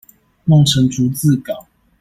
弄成逐字稿